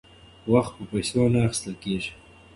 وخت په پیسو نه اخیستل کیږي.